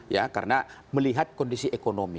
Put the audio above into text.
ya karena melihat kondisi ekonomi